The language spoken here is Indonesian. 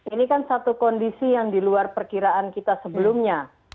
ini kan satu kondisi yang di luar perkiraan kita sebelumnya